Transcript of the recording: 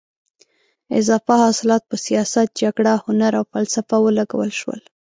اضافه حاصلات په سیاست، جګړه، هنر او فلسفه ولګول شول.